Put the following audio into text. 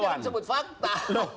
itu yang disebut fakta